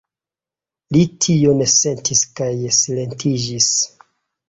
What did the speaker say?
Li tion sentis kaj silentiĝis.